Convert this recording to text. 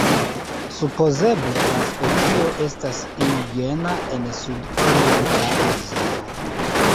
Supozeble la specio estas indiĝena en sud-orienta Azio.